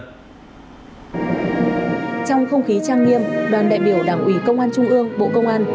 trong không khí trang nghiêm đoàn đại biểu đảng ủy công an trung ương bộ công an